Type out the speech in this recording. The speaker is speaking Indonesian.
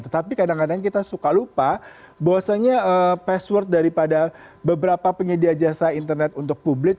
tetapi kadang kadang kita suka lupa bahwasanya password daripada beberapa penyedia jasa internet untuk publik